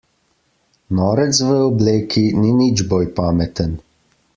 Norec v obleki ni nič bolj pameten.